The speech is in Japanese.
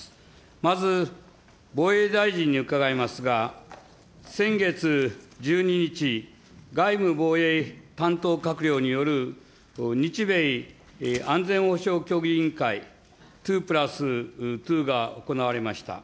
まず、防衛大臣に伺いますが、先月１２日、外務・防衛担当閣僚による日米安全保障協議委員会２プラス２が行われました。